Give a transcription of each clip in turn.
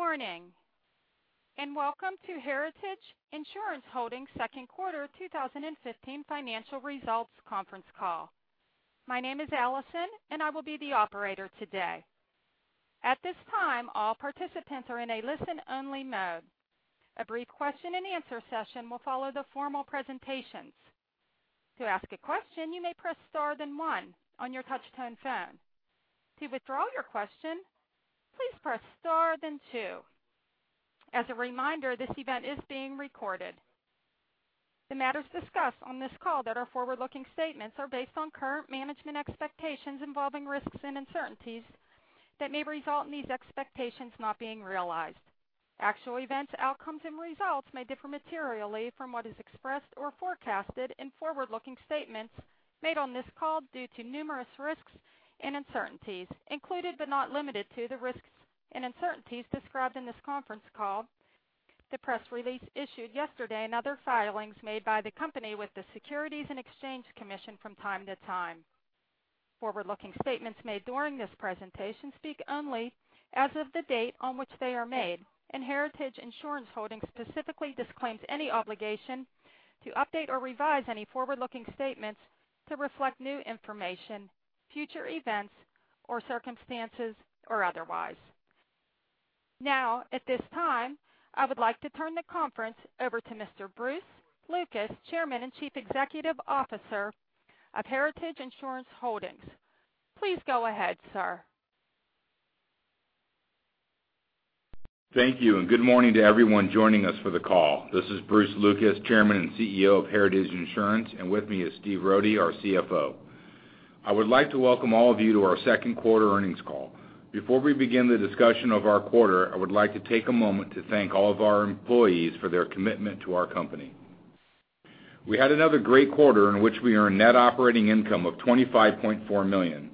Good morning, and welcome to Heritage Insurance Holdings' second quarter 2015 financial results conference call. My name is Alison, and I will be the operator today. At this time, all participants are in a listen-only mode. A brief question-and-answer session will follow the formal presentations. To ask a question, you may press star then one on your touch-tone phone. To withdraw your question, please press star then two. As a reminder, this event is being recorded. The matters discussed on this call that are forward-looking statements are based on current management expectations involving risks and uncertainties that may result in these expectations not being realized. Actual events, outcomes, and results may differ materially from what is expressed or forecasted in forward-looking statements made on this call due to numerous risks and uncertainties included, but not limited to, the risks and uncertainties described in this conference call, the press release issued yesterday, and other filings made by the company with the Securities and Exchange Commission from time to time. Forward-looking statements made during this presentation speak only as of the date on which they are made, and Heritage Insurance Holdings specifically disclaims any obligation to update or revise any forward-looking statements to reflect new information, future events, or circumstances, or otherwise. At this time, I would like to turn the conference over to Mr. Bruce Lucas, Chairman and Chief Executive Officer of Heritage Insurance Holdings. Please go ahead, sir. Thank you, and good morning to everyone joining us for the call. This is Bruce Lucas, Chairman and CEO of Heritage Insurance, and with me is Steve Rohde, our CFO. I would like to welcome all of you to our second quarter earnings call. Before we begin the discussion of our quarter, I would like to take a moment to thank all of our employees for their commitment to our company. We had another great quarter in which we earned net operating income of $25.4 million.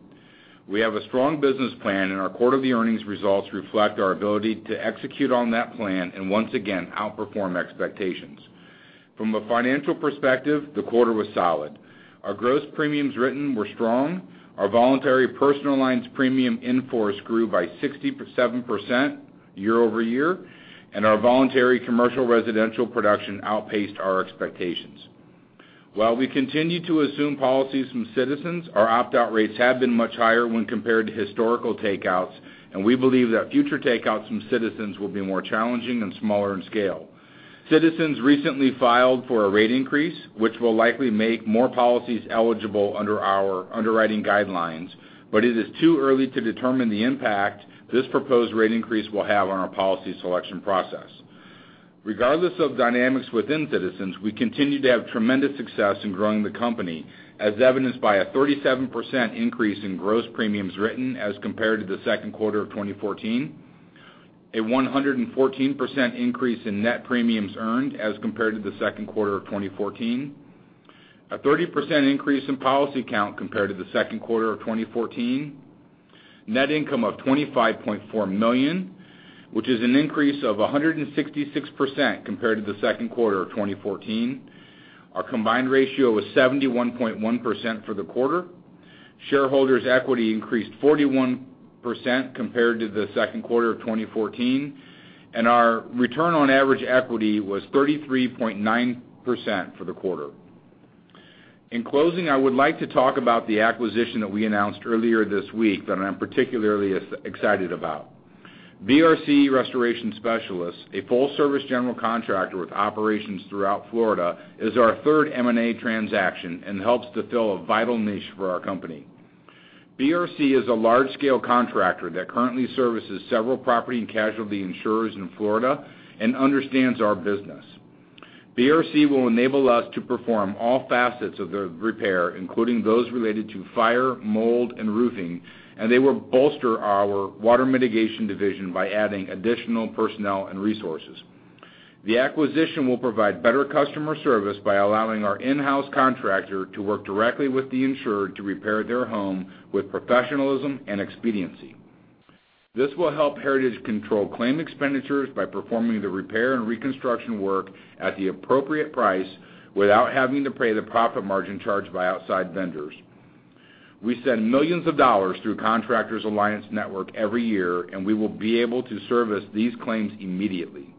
We have a strong business plan, and our quarterly earnings results reflect our ability to execute on that plan and once again outperform expectations. From a financial perspective, the quarter was solid. Our gross premiums written were strong. Our voluntary personal lines premium in-force grew by 67% year-over-year, and our voluntary commercial residential production outpaced our expectations. While we continue to assume policies from Citizens, our opt-out rates have been much higher when compared to historical takeouts, and we believe that future takeouts from Citizens will be more challenging and smaller in scale. Citizens recently filed for a rate increase, which will likely make more policies eligible under our underwriting guidelines, but it is too early to determine the impact this proposed rate increase will have on our policy selection process. Regardless of dynamics within Citizens, we continue to have tremendous success in growing the company, as evidenced by a 37% increase in gross premiums written as compared to the second quarter of 2014, a 114% increase in net premiums earned as compared to the second quarter of 2014, a 30% increase in policy count compared to the second quarter of 2014, net income of $25.4 million, which is an increase of 166% compared to the second quarter of 2014. Our combined ratio was 71.1% for the quarter. Shareholders' equity increased 41% compared to the second quarter of 2014, and our return on average equity was 33.9% for the quarter. In closing, I would like to talk about the acquisition that we announced earlier this week that I'm particularly excited about. BRC Restoration Specialists, a full-service general contractor with operations throughout Florida, is our third M&A transaction and helps to fill a vital niche for our company. BRC is a large-scale contractor that currently services several property and casualty insurers in Florida and understands our business. BRC will enable us to perform all facets of the repair, including those related to fire, mold, and roofing, and they will bolster our water mitigation division by adding additional personnel and resources. The acquisition will provide better customer service by allowing our in-house contractor to work directly with the insurer to repair their home with professionalism and expediency. This will help Heritage control claim expenditures by performing the repair and reconstruction work at the appropriate price without having to pay the profit margin charged by outside vendors. We send millions of dollars through Contractors Alliance Network every year, and we will be able to service these claims immediately.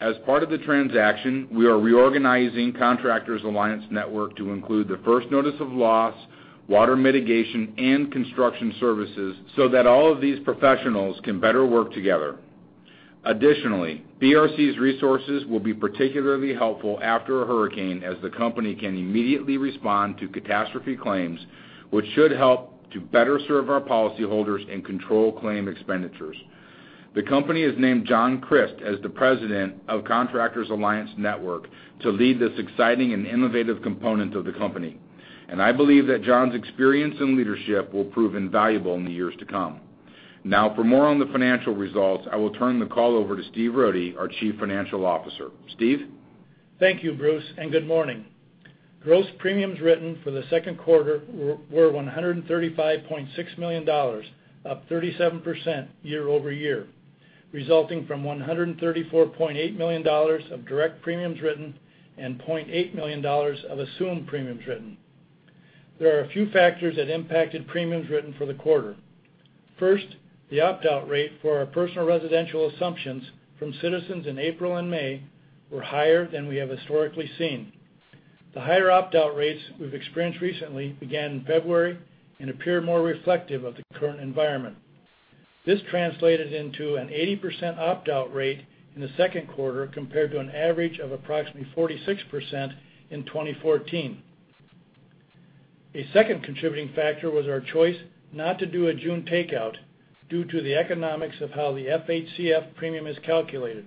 As part of the transaction, we are reorganizing Contractors Alliance Network to include the First Notice of Loss, water mitigation, and construction services so that all of these professionals can better work together. Additionally, BRC's resources will be particularly helpful after a hurricane as the company can immediately respond to catastrophe claims, which should help to better serve our policyholders and control claim expenditures. The company has named John Crist as the President of Contractors Alliance Network to lead this exciting and innovative component of the company, and I believe that John's experience and leadership will prove invaluable in the years to come. Now, for more on the financial results, I will turn the call over to Steve Rohde, our Chief Financial Officer. Steve? Thank you, Bruce, and good morning. Gross premiums written for the second quarter were $135.6 million, up 37% year-over-year, resulting from $134.8 million of direct premiums written and $0.8 million of assumed premiums written. There are a few factors that impacted premiums written for the quarter. First, the opt-out rate for our personal residential assumptions from Citizens in April and May were higher than we have historically seen. The higher opt-out rates we've experienced recently began in February and appear more reflective of the current environment. This translated into an 80% opt-out rate in the second quarter compared to an average of approximately 46% in 2014. A second contributing factor was our choice not to do a June takeout due to the economics of how the FHCF premium is calculated.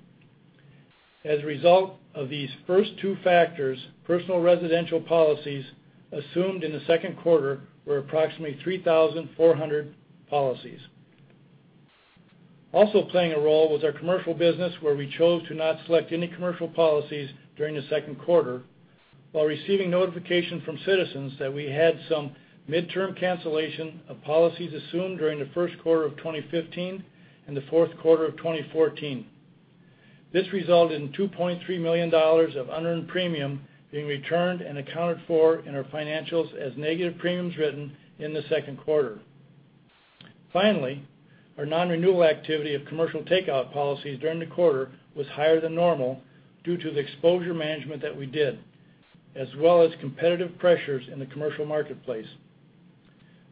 As a result of these first two factors, personal residential policies assumed in the second quarter were approximately 3,400 policies. Also playing a role was our commercial business, where we chose to not select any commercial policies during the second quarter while receiving notification from Citizens that we had some midterm cancellation of policies assumed during the first quarter of 2015 and the fourth quarter of 2014. This resulted in $2.3 million of unearned premium being returned and accounted for in our financials as negative premiums written in the second quarter. Finally, our non-renewal activity of commercial takeout policies during the quarter was higher than normal due to the exposure management that we did, as well as competitive pressures in the commercial marketplace.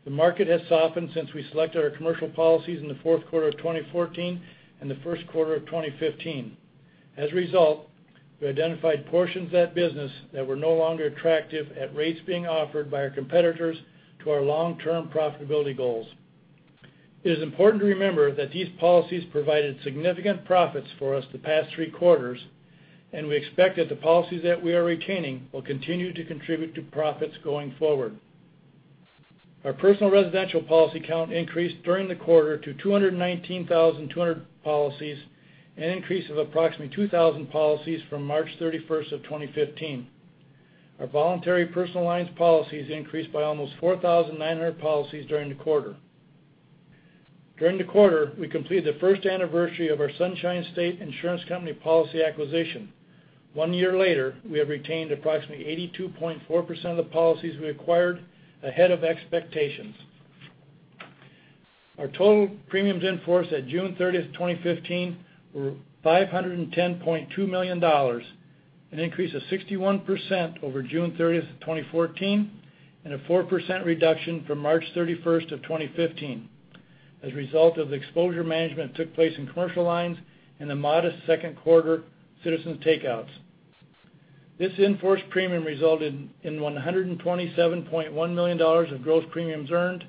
The market has softened since we selected our commercial policies in the fourth quarter of 2014 and the first quarter of 2015. As a result, we identified portions of that business that were no longer attractive at rates being offered by our competitors to our long-term profitability goals. It is important to remember that these policies provided significant profits for us the past three quarters, and we expect that the policies that we are retaining will continue to contribute to profits going forward. Our personal residential policy count increased during the quarter to 219,200 policies, an increase of approximately 2,000 policies from March 31st of 2015. Our voluntary personal lines policies increased by almost 4,900 policies during the quarter. During the quarter, we completed the first anniversary of our Sunshine State Insurance Company policy acquisition. One year later, we have retained approximately 82.4% of the policies we acquired ahead of expectations. Our total premiums in force at June 30th, 2015, were $510.2 million, an increase of 61% over June 30th, 2014, and a 4% reduction from March 31st of 2015 as a result of the exposure management that took place in commercial lines and the modest second quarter Citizens takeouts. This in-force premium resulted in $127.1 million of gross premiums earned,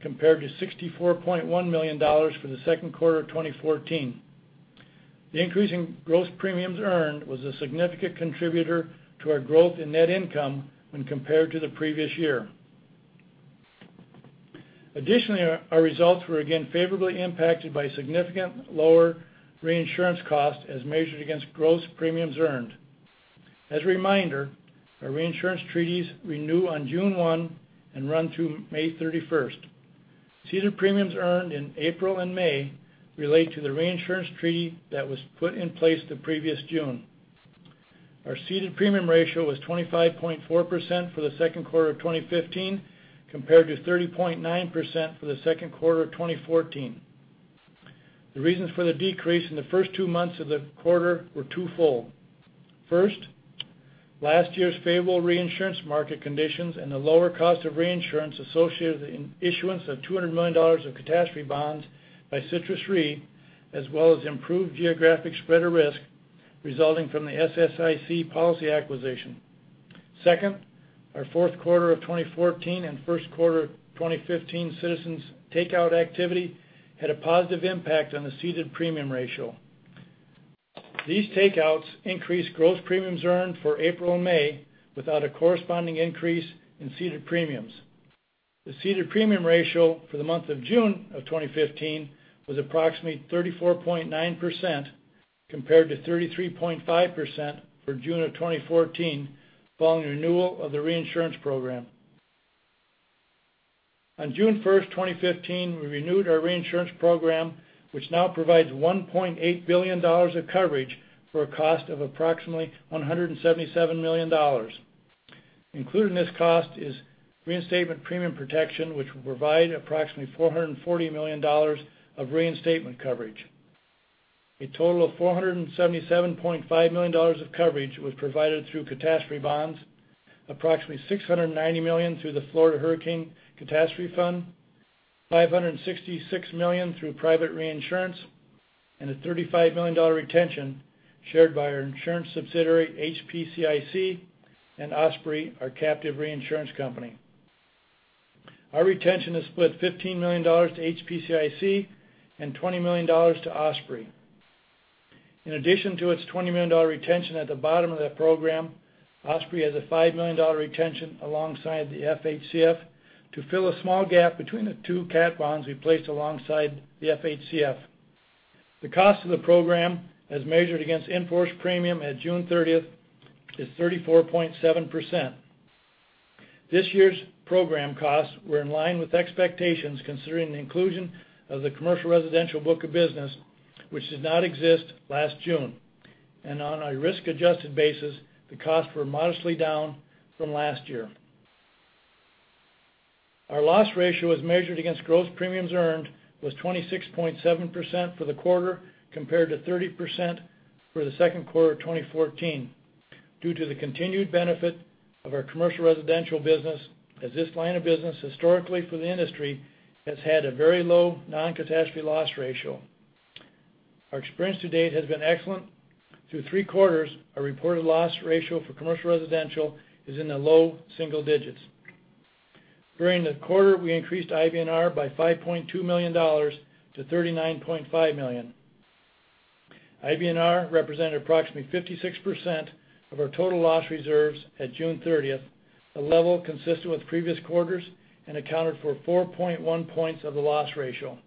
compared to $64.1 million for the second quarter of 2014. The increase in gross premiums earned was a significant contributor to our growth in net income when compared to the previous year. Additionally, our results were again favorably impacted by significant lower reinsurance costs as measured against gross premiums earned. As a reminder, our reinsurance treaties renew on June 1 and run through May 31st. Ceded premiums earned in April and May relate to the reinsurance treaty that was put in place the previous June. Our ceded premium ratio was 25.4% for the second quarter of 2015, compared to 30.9% for the second quarter of 2014. The reasons for the decrease in the first two months of the quarter were twofold. First, last year's favorable reinsurance market conditions and the lower cost of reinsurance associated in issuance of $200 million of catastrophe bonds by Citrus Re, as well as improved geographic spread of risk resulting from the SSIC policy acquisition. Second, our fourth quarter of 2014 and first quarter 2015 Citizens takeout activity had a positive impact on the ceded premium ratio. These takeouts increased gross premiums earned for April and May without a corresponding increase in ceded premiums. The ceded premium ratio for the month of June of 2015 was approximately 34.9%, compared to 33.5% for June of 2014, following renewal of the reinsurance program. On June 1st, 2015, we renewed our reinsurance program, which now provides $1.8 billion of coverage for a cost of approximately $177 million. Included in this cost is reinstatement premium protection, which will provide approximately $440 million of reinstatement coverage. A total of $477.5 million of coverage was provided through catastrophe bonds, approximately $690 million through the Florida Hurricane Catastrophe Fund, $566 million through private reinsurance, and a $35 million retention shared by our insurance subsidiary, HPCIC, and Osprey, our captive reinsurance company. Our retention is split $15 million to HPCIC and $20 million to Osprey. In addition to its $20 million retention at the bottom of that program, Osprey has a $5 million retention alongside the FHCF to fill a small gap between the two cat bonds we placed alongside the FHCF. The cost of the program as measured against in-force premium at June 30th is 34.7%. This year's program costs were in line with expectations considering the inclusion of the commercial residential book of business, which did not exist last June. On a risk-adjusted basis, the costs were modestly down from last year. Our loss ratio, as measured against gross premiums earned, was 26.7% for the quarter, compared to 30% for the second quarter of 2014, due to the continued benefit of our commercial residential business, as this line of business historically for the industry has had a very low non-catastrophe loss ratio. Our experience to date has been excellent. Through three quarters, our reported loss ratio for commercial residential is in the low single digits. During the quarter, we increased IBNR by $5.2 million to $39.5 million. IBNR represented approximately 56% of our total loss reserves at June 30th, a level consistent with previous quarters, and accounted for 4.1 points of the loss ratio.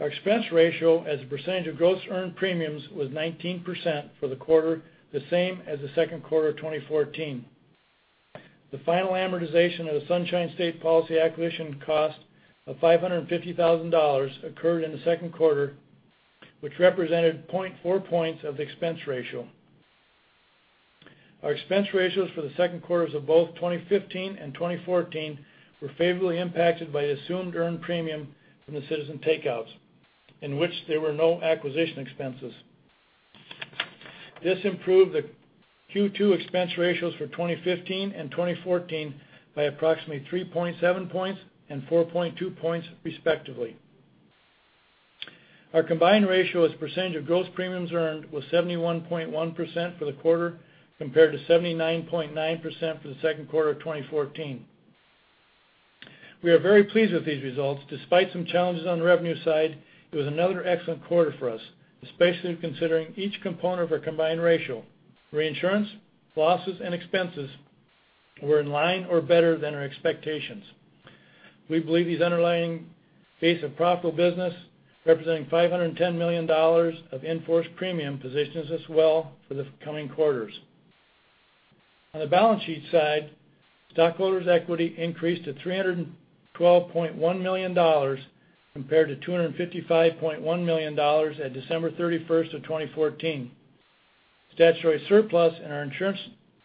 Our expense ratio as a percentage of gross earned premiums was 19% for the quarter, the same as the second quarter of 2014. The final amortization of the Sunshine State policy acquisition cost of $550,000 occurred in the second quarter, which represented 0.4 points of the expense ratio. Our expense ratios for the second quarters of both 2015 and 2014 were favorably impacted by the assumed earned premium from the Citizens takeouts, in which there were no acquisition expenses. This improved the Q2 expense ratios for 2015 and 2014 by approximately 3.7 points and 4.2 points, respectively. Our combined ratio as a percentage of gross premiums earned was 71.1% for the quarter, compared to 79.9% for the second quarter of 2014. We are very pleased with these results. Despite some challenges on the revenue side, it was another excellent quarter for us, especially considering each component of our combined ratio. Reinsurance, losses, and expenses were in line or better than our expectations. We believe these underlying base of profitable business, representing $510 million of in-force premium, positions us well for the coming quarters. On the balance sheet side, stockholders' equity increased to $312.1 million, compared to $255.1 million at December 31st of 2014. Statutory surplus in our insurance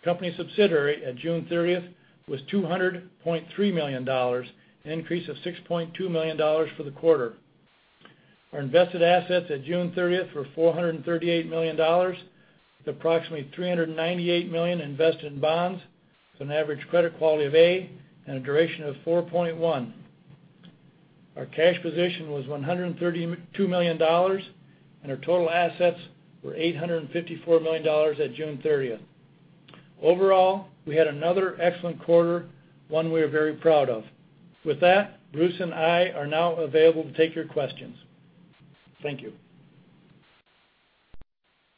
company subsidiary at June 30th was $200.3 million, an increase of $6.2 million for the quarter. Our invested assets at June 30th were $438 million, with approximately $398 million invested in bonds with an average credit quality of A and a duration of 4.1. Our cash position was $132 million, and our total assets were $854 million at June 30th. Overall, we had another excellent quarter, one we are very proud of. With that, Bruce and I are now available to take your questions. Thank you.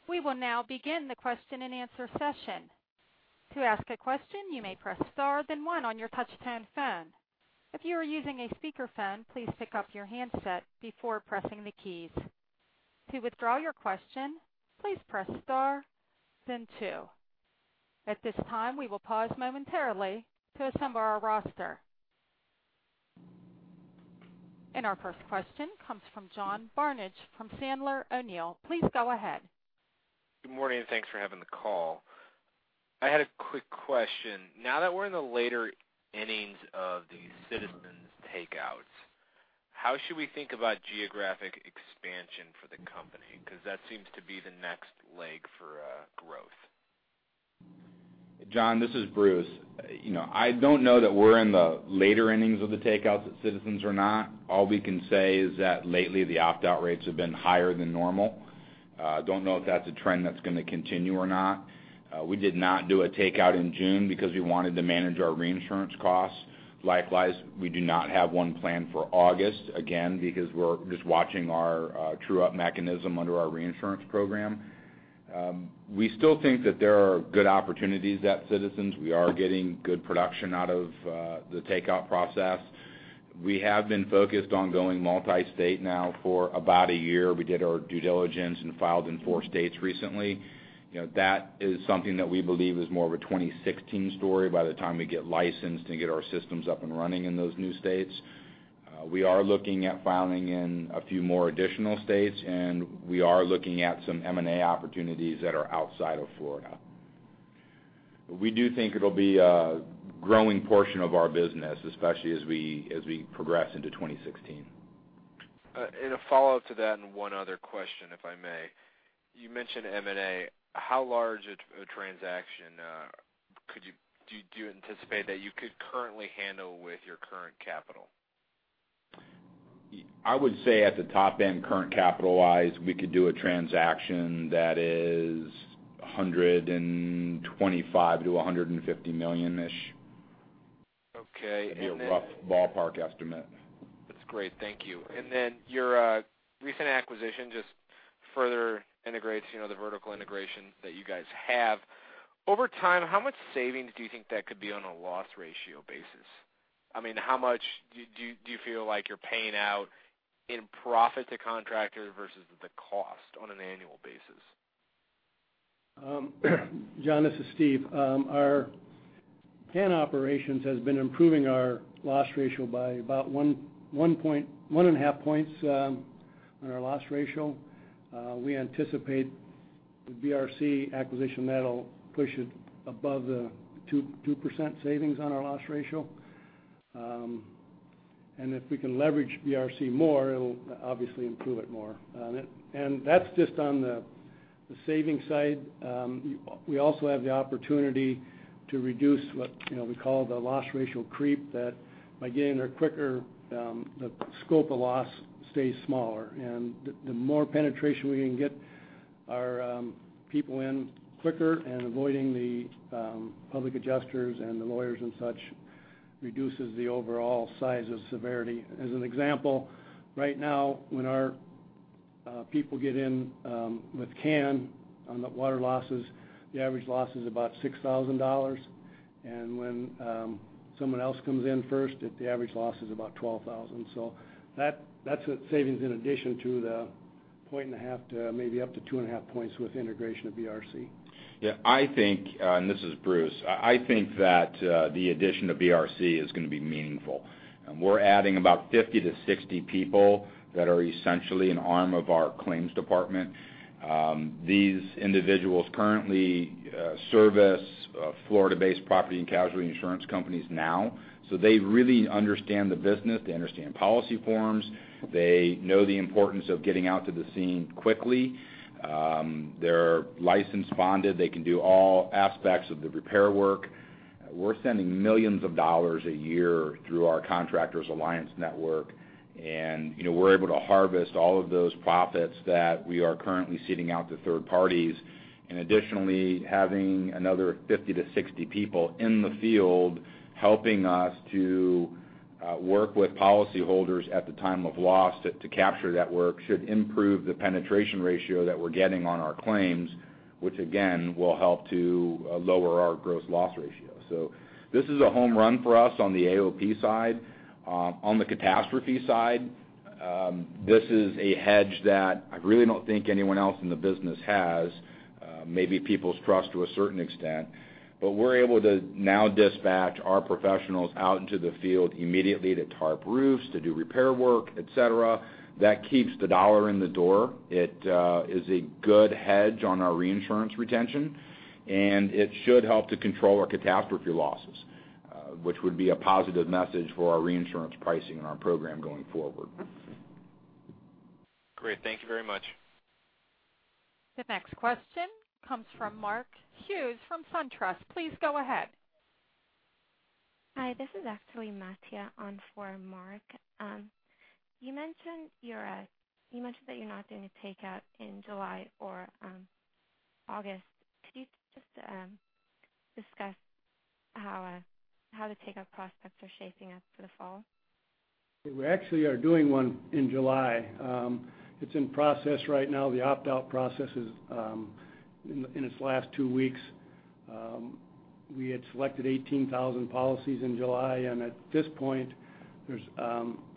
We will now begin the question and answer session. To ask a question, you may press star then one on your touch-tone phone. If you are using a speakerphone, please pick up your handset before pressing the keys. To withdraw your question, please press star then two. At this time, we will pause momentarily to assemble our roster. Our first question comes from John Barnidge from Sandler O'Neill. Please go ahead. Good morning, and thanks for having the call. I had a quick question. Now that we're in the later innings of the Citizens takeouts, how should we think about geographic expansion for the company? Because that seems to be the next leg for growth. John, this is Bruce. I don't know that we're in the later innings of the takeouts at Citizens or not. All we can say is that lately, the opt-out rates have been higher than normal. Don't know if that's a trend that's going to continue or not. We did not do a takeout in June because we wanted to manage our reinsurance costs. Likewise, we do not have one planned for August, again, because we're just watching our true-up mechanism under our reinsurance program. We still think that there are good opportunities at Citizens. We are getting good production out of the takeout process. We have been focused on going multi-state now for about a year. We did our due diligence and filed in four states recently. That is something that we believe is more of a 2016 story by the time we get licensed and get our systems up and running in those new states. We are looking at filing in a few more additional states, and we are looking at some M&A opportunities that are outside of Florida. We do think it'll be a growing portion of our business, especially as we progress into 2016. A follow-up to that and one other question, if I may. You mentioned M&A. How large a transaction do you anticipate that you could currently handle with your current capital? I would say at the top end, current capital-wise, we could do a transaction that is $125 million to $150 million-ish. Okay. That'd be a rough ballpark estimate. That's great. Thank you. Your recent acquisition just further integrates the vertical integration that you guys have. Over time, how much savings do you think that could be on a loss ratio basis? How much do you feel like you're paying out in profit to contractors versus the cost on an annual basis? John, this is Steve. Our CAN operations has been improving our loss ratio by about 1.5 points on our loss ratio. We anticipate the BRC acquisition, that'll push it above the 2% savings on our loss ratio. If we can leverage BRC more, it'll obviously improve it more. That's just on the saving side. We also have the opportunity to reduce what we call the loss ratio creep, that by getting there quicker, the scope of loss stays smaller. The more penetration we can get our people in quicker and avoiding the public adjusters and the lawyers and such, reduces the overall size of severity. As an example, right now, when our people get in with CAN on the water losses, the average loss is about $6,000. When someone else comes in first, the average loss is about $12,000. That's a savings in addition to the point and a half to maybe up to two and a half points with integration of BRC. Yeah, this is Bruce. I think that the addition of BRC is going to be meaningful. We're adding about 50 to 60 people that are essentially an arm of our claims department. These individuals currently service Florida-based property and casualty insurance companies now. They really understand the business. They understand policy forms. They know the importance of getting out to the scene quickly. They're licensed, bonded. They can do all aspects of the repair work. We're sending millions of dollars a year through our Contractors Alliance Network, and we're able to harvest all of those profits that we are currently seeding out to third parties. Additionally, having another 50 to 60 people in the field helping us to work with policyholders at the time of loss to capture that work, should improve the penetration ratio that we're getting on our claims, which again, will help to lower our gross loss ratio. This is a home run for us on the AOP side. On the catastrophe side, this is a hedge that I really don't think anyone else in the business has. Maybe People's Trust to a certain extent. We're able to now dispatch our professionals out into the field immediately to tarp roofs, to do repair work, et cetera. That keeps the dollar in the door. It is a good hedge on our reinsurance retention, and it should help to control our catastrophe losses, which would be a positive message for our reinsurance pricing and our program going forward. Great. Thank you very much. The next question comes from Mark Hughes from SunTrust. Please go ahead. Hi, this is actually Matia on for Mark. You mentioned that you're not doing a takeout in July or August. Could you just discuss how the takeout prospects are shaping up for the fall? We actually are doing one in July. It's in process right now. The opt-out process is in its last two weeks. We had selected 18,000 policies in July, and at this point, there's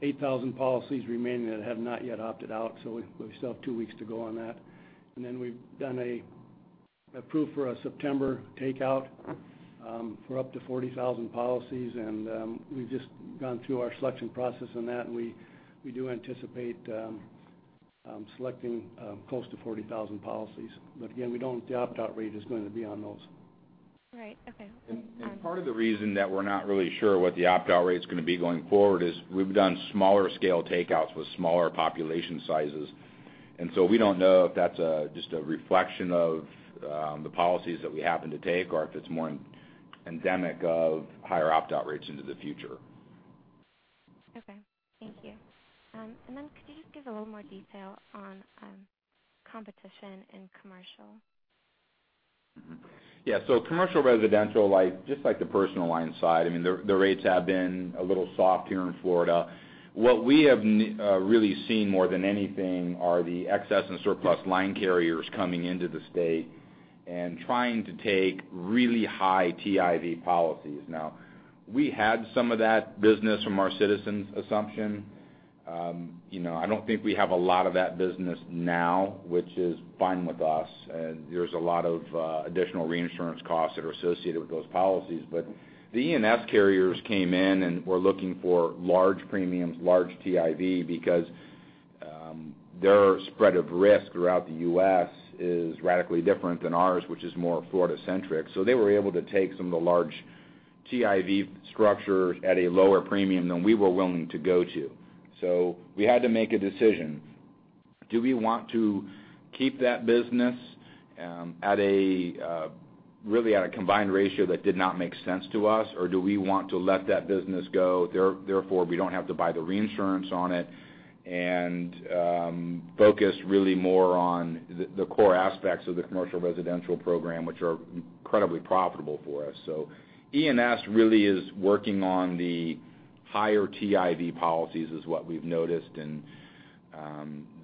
8,000 policies remaining that have not yet opted out. We still have two weeks to go on that. Then we've done a proof for a September takeout for up to 40,000 policies, and we've just gone through our selection process on that, and we do anticipate selecting close to 40,000 policies. Again, we don't know what the opt-out rate is going to be on those. Right. Okay. Part of the reason that we're not really sure what the opt-out rate's going to be going forward is we've done smaller scale takeouts with smaller population sizes. We don't know if that's just a reflection of the policies that we happen to take or if it's more endemic of higher opt-out rates into the future. Okay. Thank you. Then could you just give a little more detail on competition in commercial? Mm-hmm. Yeah. Commercial residential, just like the personal line side, the rates have been a little soft here in Florida. What we have really seen more than anything are the excess and surplus line carriers coming into the state and trying to take really high TIV policies. Now, we had some of that business from our Citizens assumption. I don't think we have a lot of that business now, which is fine with us. There's a lot of additional reinsurance costs that are associated with those policies. The E&S carriers came in and were looking for large premiums, large TIV, because their spread of risk throughout the U.S. is radically different than ours, which is more Florida centric. They were able to take some of the large TIV structures at a lower premium than we were willing to go to. We had to make a decision. Do we want to keep that business really at a Combined ratio that did not make sense to us, or do we want to let that business go, therefore, we don't have to buy the reinsurance on it and focus really more on the core aspects of the commercial residential program, which are incredibly profitable for us. E&S really is working on the higher TIV policies, is what we've noticed, and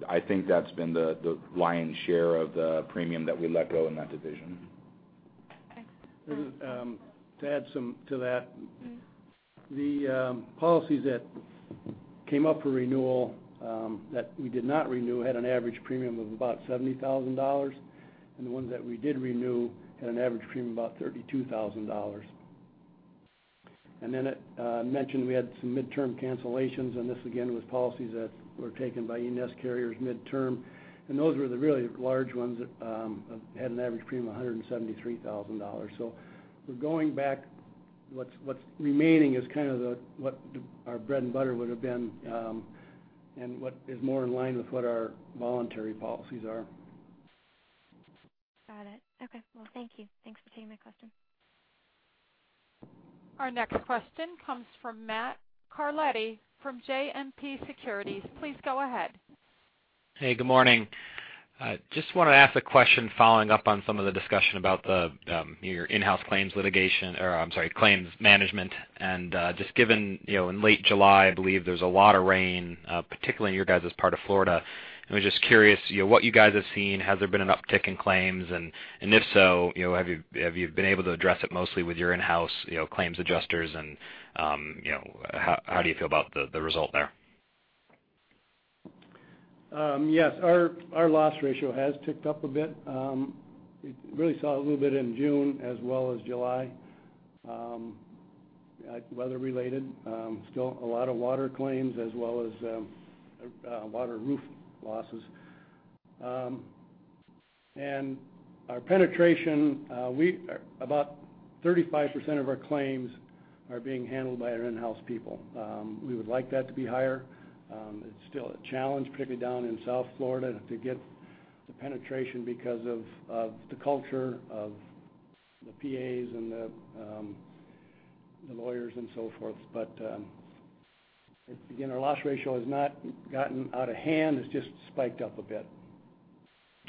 I think that's been the lion's share of the premium that we let go in that division. To add some to that. The policies that came up for renewal, that we did not renew, had an average premium of about $70,000. The ones that we did renew had an average premium of about $32,000. It mentioned we had some midterm cancellations, and this again was policies that were taken by E&S carriers midterm. Those were the really large ones that had an average premium of $173,000. We're going back, what's remaining is kind of what our bread and butter would've been, and what is more in line with what our voluntary policies are. Got it. Okay. Well, thank you. Thanks for taking my question. Our next question comes from Matt Carletti from JMP Securities. Please go ahead. Hey, good morning. Just want to ask a question following up on some of the discussion about your in-house claims litigation, or I'm sorry, claims management. Just given, in late July, I believe there was a lot of rain, particularly in your guys' part of Florida, I was just curious, what you guys have seen. Has there been an uptick in claims? If so, have you been able to address it mostly with your in-house claims adjusters and how do you feel about the result there? Yes, our loss ratio has ticked up a bit. We really saw it a little bit in June as well as July, weather related. Still a lot of water claims as well as a lot of roof losses. Our penetration, about 35% of our claims are being handled by our in-house people. We would like that to be higher. It's still a challenge, particularly down in South Florida, to get the penetration because of the culture of the PAs and the lawyers and so forth. Again, our loss ratio has not gotten out of hand. It's just spiked up a bit.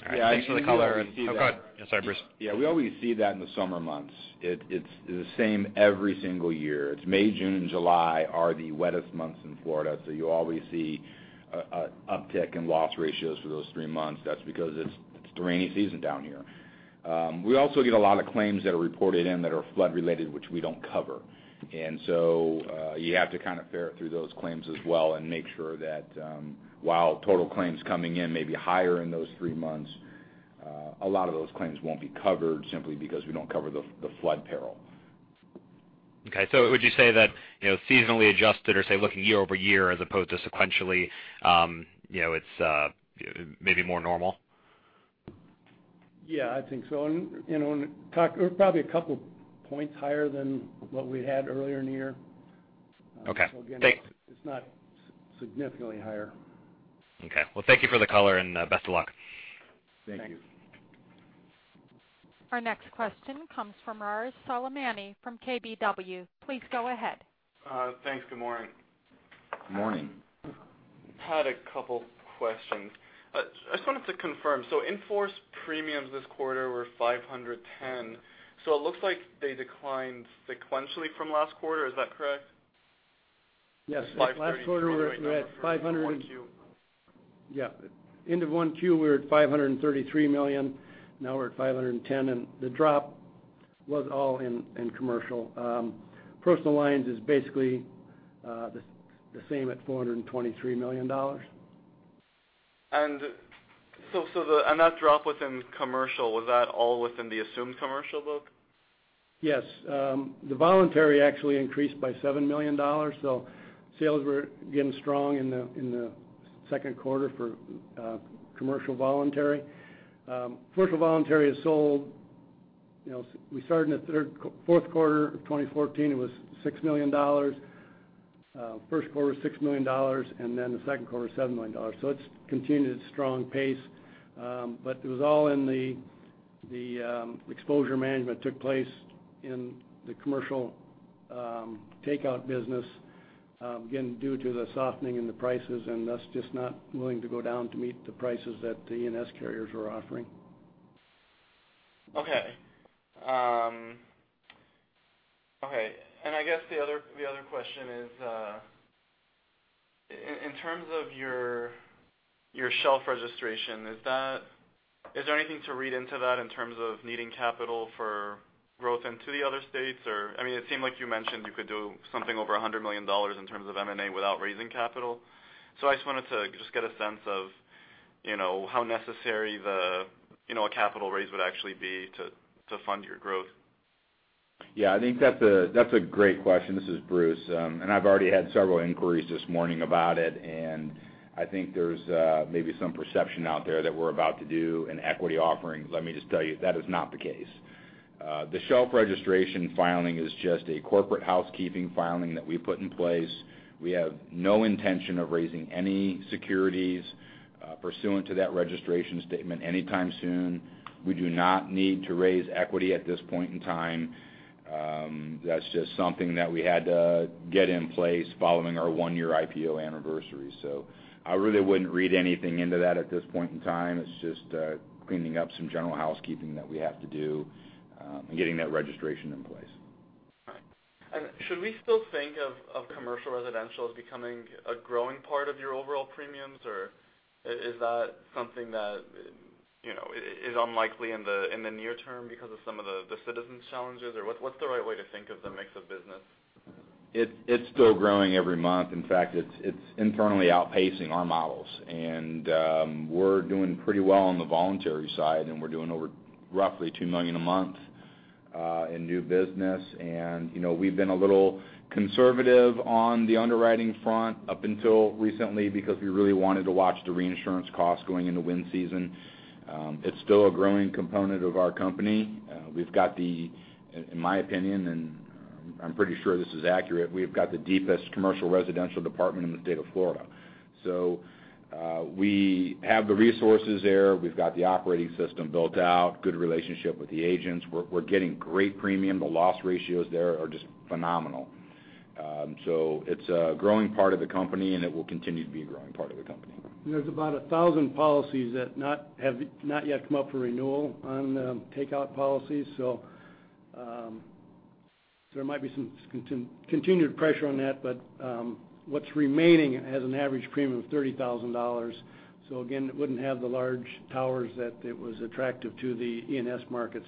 All right. Thanks for the color. Yeah, I think you already see that. Go ahead. Yeah, sorry, Bruce. Yeah, we always see that in the summer months. It's the same every single year. It's May, June, and July are the wettest months in Florida, so you always see an uptick in loss ratios for those three months. That's because it's the rainy season down here. We also get a lot of claims that are reported in that are flood related, which we don't cover. You have to kind of ferret through those claims as well and make sure that, while total claims coming in may be higher in those three months, a lot of those claims won't be covered simply because we don't cover the flood peril. Okay. would you say that seasonally adjusted or say looking year over year, as opposed to sequentially, it's maybe more normal? Yeah, I think so. we're probably a couple points higher than what we had earlier in the year. Okay. Thank- again, it's not significantly higher. Okay. Well, thank you for the color, best of luck. Thank you. Our next question comes from Arash Soleimani from KBW. Please go ahead. Thanks. Good morning. Morning. Had a couple questions. I just wanted to confirm, in force premiums this quarter were $510 million. It looks like they declined sequentially from last quarter. Is that correct? Yes. $533 million. Last quarter we're at five hundred and. 1Q. Yeah. End of 1Q, we were at $533 million, now we're at $510 million, the drop was all in commercial. Personal lines is basically the same at $423 million. That drop within commercial, was that all within the assumed commercial book? Yes. The voluntary actually increased by $7 million, sales were again strong in the second quarter for commercial voluntary. Commercial voluntary is sold, we started in the fourth quarter of 2014, it was $6 million. First quarter, $6 million, the second quarter, $7 million. It's continued its strong pace. It was all in the exposure management took place in the commercial takeout business, again due to the softening in the prices and us just not willing to go down to meet the prices that the E&S carriers were offering. Okay. I guess the other question is, in terms of your shelf registration, is there anything to read into that in terms of needing capital for growth into the other states or, I mean, it seemed like you mentioned you could do something over $100 million in terms of M&A without raising capital. I just wanted to just get a sense of how necessary the a capital raise would actually be to fund your growth. I think that's a great question. This is Bruce. I've already had several inquiries this morning about it, and I think there's maybe some perception out there that we're about to do an equity offering. Let me just tell you, that is not the case. The shelf registration filing is just a corporate housekeeping filing that we put in place. We have no intention of raising any securities pursuant to that registration statement anytime soon. We do not need to raise equity at this point in time. That's just something that we had to get in place following our 1-year IPO anniversary. I really wouldn't read anything into that at this point in time. It's just cleaning up some general housekeeping that we have to do, and getting that registration Should we still think of commercial residential as becoming a growing part of your overall premiums? Or is that something that is unlikely in the near term because of some of the Citizens' challenges? Or what's the right way to think of the mix of business? It's still growing every month. In fact, it's internally outpacing our models, and we're doing pretty well on the voluntary side, we're doing over roughly $2 million a month in new business. We've been a little conservative on the underwriting front up until recently because we really wanted to watch the reinsurance cost going into wind season. It's still a growing component of our company. We've got, in my opinion, and I'm pretty sure this is accurate, we've got the deepest commercial residential department in the state of Florida. We have the resources there. We've got the operating system built out, good relationship with the agents. We're getting great premium. The loss ratios there are just phenomenal. It's a growing part of the company, and it will continue to be a growing part of the company. There's about 1,000 policies that have not yet come up for renewal on takeout policies, there might be some continued pressure on that. What's remaining has an average premium of $30,000. Again, it wouldn't have the large towers that it was attractive to the E&S market,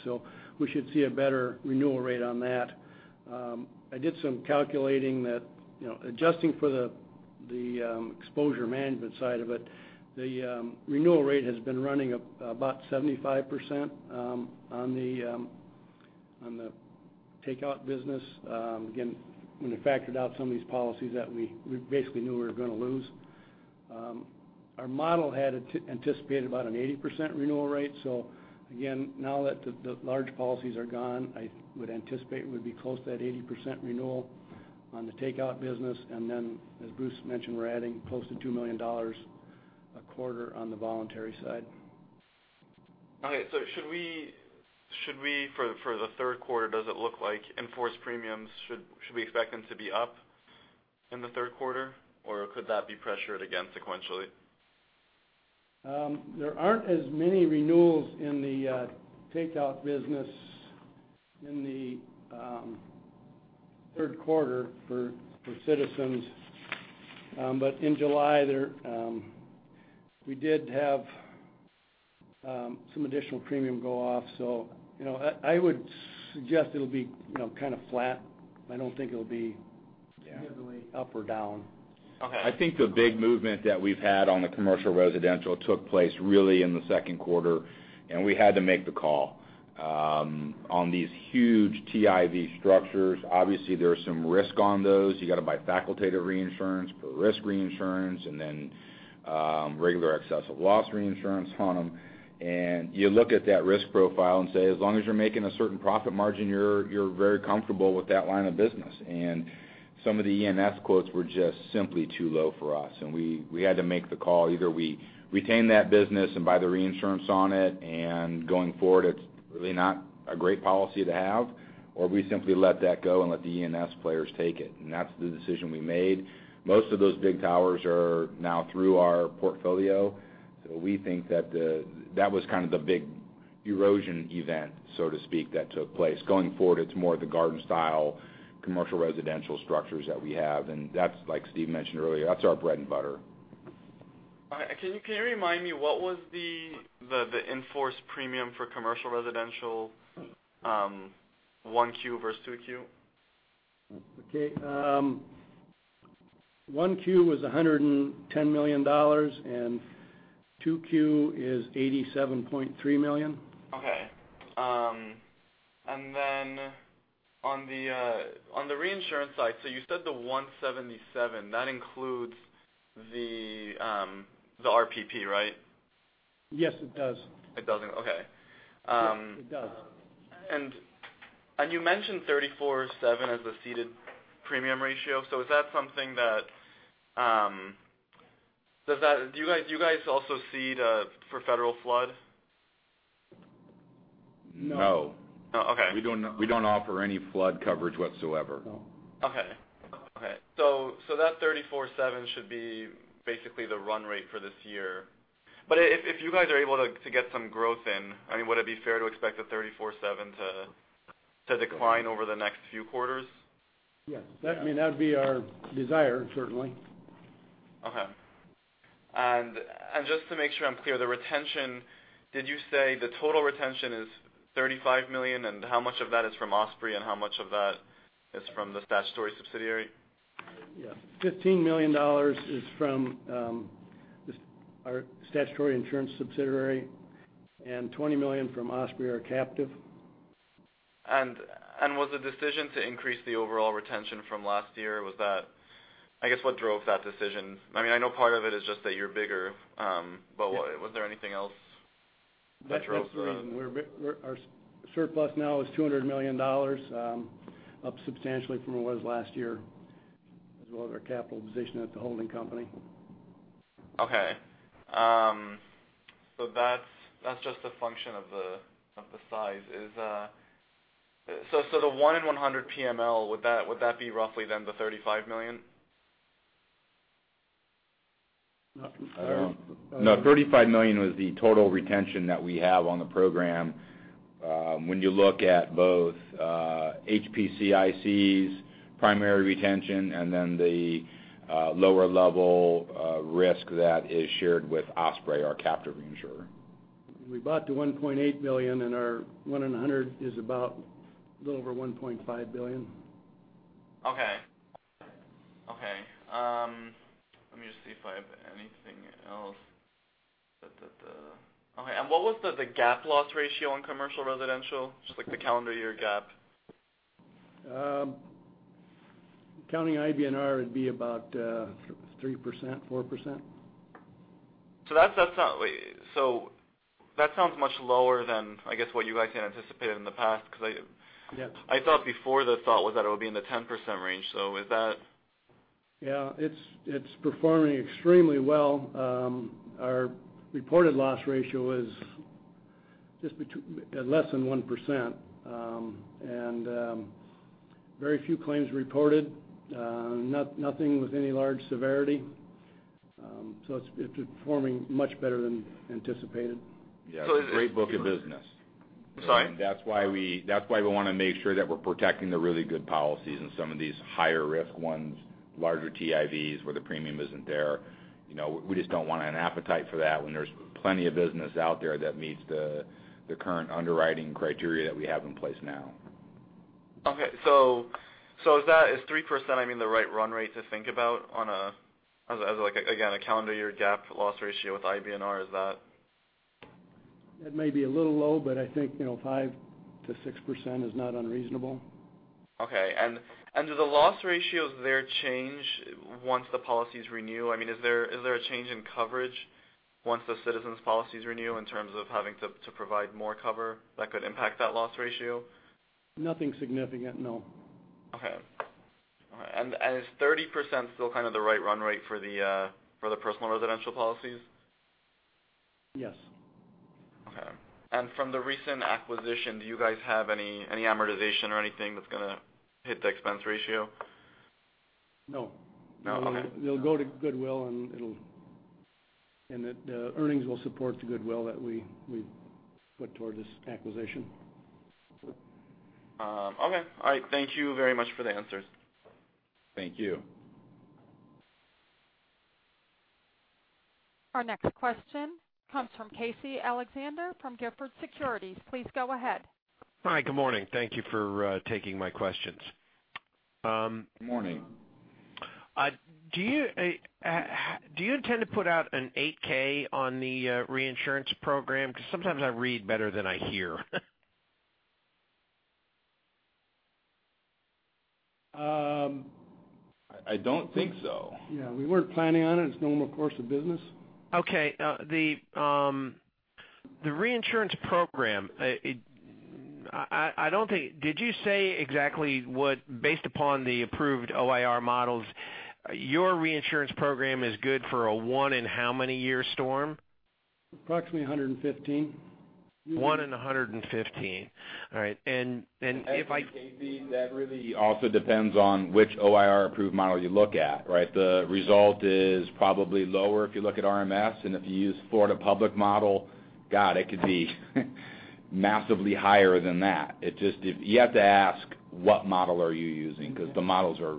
we should see a better renewal rate on that. I did some calculating that, adjusting for the exposure management side of it, the renewal rate has been running about 75% on the takeout business. Again, when we factored out some of these policies that we basically knew we were going to lose. Our model had anticipated about an 80% renewal rate. Again, now that the large policies are gone, I would anticipate we'd be close to that 80% renewal on the takeout business, and then as Bruce mentioned, we're adding close to $2 million a quarter on the voluntary side. Should we, for the third quarter, does it look like in-force premiums, should we expect them to be up in the third quarter, or could that be pressured again sequentially? There aren't as many renewals in the takeout business in the third quarter for Citizens. In July, we did have some additional premium go off, I would suggest it'll be kind of flat. I don't think it'll be. Yeah Significantly up or down. Okay. I think the big movement that we've had on the commercial residential took place really in the second quarter. We had to make the call. On these huge TIV structures, obviously, there's some risk on those. You got to buy facultative reinsurance, put risk reinsurance, and then regular excessive loss reinsurance on them. You look at that risk profile and say, as long as you're making a certain profit margin, you're very comfortable with that line of business. Some of the E&S quotes were just simply too low for us. We had to make the call. Either we retain that business and buy the reinsurance on it, going forward, it's really not a great policy to have, or we simply let that go and let the E&S players take it. That's the decision we made. Most of those big towers are now through our portfolio. We think that was kind of the big erosion event, so to speak, that took place. Going forward, it's more of the garden style, commercial residential structures that we have. That's, like Steve mentioned earlier, that's our bread and butter. All right. Can you remind me what was the in-force premium for commercial residential, 1Q versus 2Q? Okay. 1Q was $110 million. 2Q is $87.3 million. Okay. On the reinsurance side, you said the 177, that includes the RPP, right? Yes, it does. It does. Okay. Yes, it does. You mentioned 34.7 as the ceded premium ratio. Do you guys also cede for federal flood? No. No. Oh, okay. We don't offer any flood coverage whatsoever. No. Okay. That 34.7 should be basically the run rate for this year. If you guys are able to get some growth in, would it be fair to expect the 34.7 to decline over the next few quarters? Yes. That'd be our desire, certainly. Okay. Just to make sure I'm clear, the retention, did you say the total retention is $35 million? And how much of that is from Osprey, and how much of that is from the statutory subsidiary? Yeah. $15 million is from our statutory insurance subsidiary and $20 million from Osprey, our captive. Was the decision to increase the overall retention from last year, I guess, what drove that decision? I know part of it is just that you're bigger. Yeah Was there anything else that drove? That's the reason. Our surplus now is $200 million, up substantially from where it was last year, as well as our capital position at the holding company. Okay. That's just a function of the size. The one in 100 PML, would that be roughly then the $35 million? Nothing. No, $35 million was the total retention that we have on the program. When you look at both HPCIC's primary retention and then the lower level risk that is shared with Osprey, our captive insurer. We bought the $1.8 billion and our one in 100 is about a little over $1.5 billion. Okay. Let me just see if I have anything else. Okay, what was the GAAP loss ratio on commercial residential? Just like the calendar year GAAP. Counting IBNR, it'd be about 3%-4%. That sounds much lower than, I guess, what you guys had anticipated in the past. Yes. I thought before the thought was that it would be in the 10% range. is that Yeah, it's performing extremely well. Our reported loss ratio is at less than 1%, and very few claims reported. Nothing with any large severity. it's performing much better than anticipated. Yeah. Great book of business. Sorry? That's why we want to make sure that we're protecting the really good policies and some of these higher risk ones, larger TIVs where the premium isn't there. We just don't want an appetite for that when there's plenty of business out there that meets the current underwriting criteria that we have in place now. Okay. is 3% the right run rate to think about as, again, a calendar year gap loss ratio with IBNR? Is that It may be a little low, but I think 5%-6% is not unreasonable. Okay. do the loss ratios there change once the policies renew? Is there a change in coverage once the Citizens policies renew in terms of having to provide more cover that could impact that loss ratio? Nothing significant, no. Okay. Is 30% still kind of the right run rate for the personal residential policies? Yes. Okay. From the recent acquisition, do you guys have any amortization or anything that's going to hit the expense ratio? No. No? Okay. It'll go to goodwill, and the earnings will support the goodwill that we put towards this acquisition. Okay. All right. Thank you very much for the answers. Thank you. Our next question comes from Casey Alexander from Gilford Securities. Please go ahead. Hi. Good morning. Thank you for taking my questions. Morning. Do you intend to put out an 8-K on the reinsurance program? Because sometimes I read better than I hear. I don't think so. Yeah. We weren't planning on it. It's normal course of business. Okay. The reinsurance program, did you say exactly what, based upon the approved OIR models, your reinsurance program is good for a one in how many year storm? Approximately 115. One in 115. All right. That really also depends on which OIR approved model you look at, right? The result is probably lower if you look at RMS, and if you use Florida Public model, God, it could be massively higher than that. You have to ask what model are you using, because the models are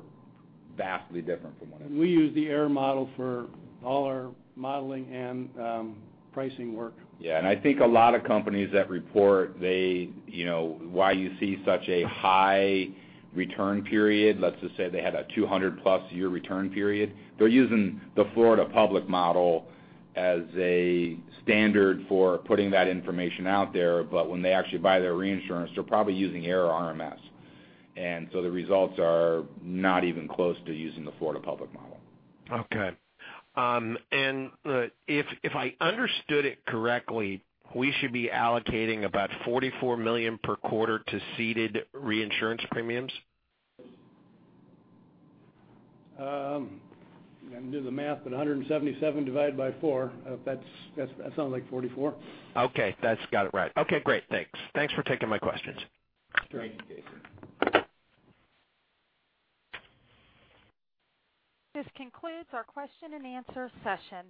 vastly different from one another. We use the AIR model for all our modeling and pricing work. Yeah. I think a lot of companies that report, why you see such a high return period, let's just say they had a 200-plus-year return period. They're using the Florida Public Model as a standard for putting that information out there. When they actually buy their reinsurance, they're probably using AIR or RMS. The results are not even close to using the Florida Public Model. Okay. If I understood it correctly, we should be allocating about $44 million per quarter to ceded reinsurance premiums? I can do the math, but 177 divided by 4, that sounds like 44. Okay. That's got it right. Okay, great. Thanks. Thanks for taking my questions. Thank you, Casey. This concludes our question and answer session.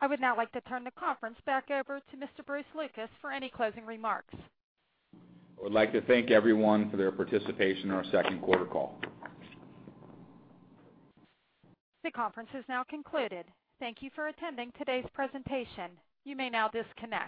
I would now like to turn the conference back over to Mr. Bruce Lucas for any closing remarks. I would like to thank everyone for their participation in our second quarter call. The conference is now concluded. Thank you for attending today's presentation. You may now disconnect.